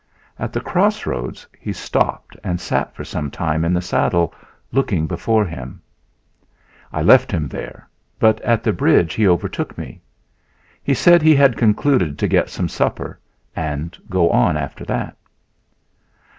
At the crossroads he stopped and sat for some time in the saddle, looking before him. I left him there, but at the bridge he overtook me. He said he had concluded to get some supper and go on after that.